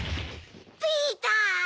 ピーター！